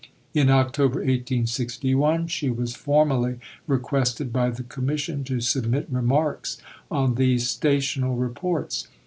In October 1861 she was formally requested by the Commission to submit remarks on these Stational Reports.